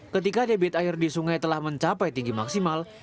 ketika debit air di sungai telah mencapai tinggi maksimal